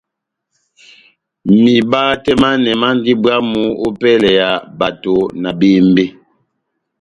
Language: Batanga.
Miba tɛh manɛ mandi bwamh opɛlɛ ya bato na bembe.